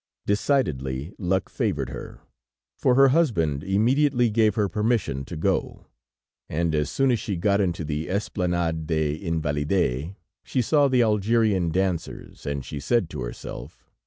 Decidedly luck favored her, for her husband immediately gave her permission to go, and as soon as she got into the Esplanade des Invalides, she saw the Algerian dancers, and she said to herself.